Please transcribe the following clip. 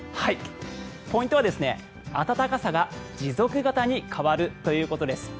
ポイントは暖かさが持続型に変わるということです。